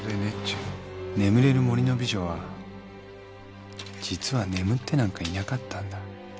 「眠れる森の美女は実は眠ってなんかいなかったんだ」